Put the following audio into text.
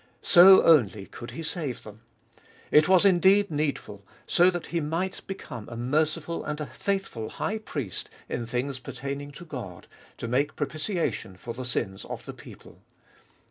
So only could He save them. It was indeed need ful, that so He might become a merciful and a faithful High Priest in things pertaining to God, to make propitiation for the sins of the people.